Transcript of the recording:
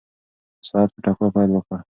ساعت په ټکا پیل وکړ.